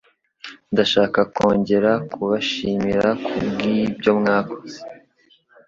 Ndashaka kongera kubashimira ku byomwakoze.